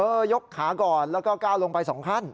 ยกขาก่อนแล้วก็ก้าวลงไป๒ขั้น